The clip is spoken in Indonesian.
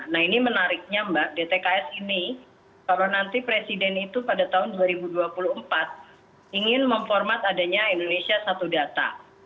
nah ini menariknya mbak dtks ini kalau nanti presiden itu pada tahun dua ribu dua puluh empat ingin memformat adanya indonesia satu data